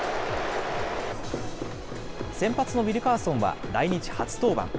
先発のウィルカーソンは来日初登板。